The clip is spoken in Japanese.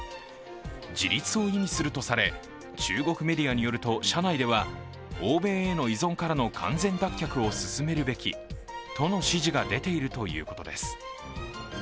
自立を意味するとされ中国メディアによると社内では欧米への依存からの完全脱却を進めるべきとの指示が出ているとのことです。